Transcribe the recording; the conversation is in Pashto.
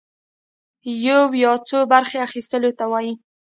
يوه يا څو برخي اخيستلو ته وايي.